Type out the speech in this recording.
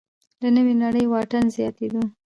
له نوې نړۍ واټن زیاتېدو